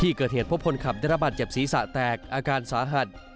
ที่เกิดเหตุพบพลขับดารบัตรเจ็บสีสะแตกอาการสาหัด